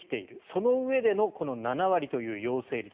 そのうえでのこの７割という陽性率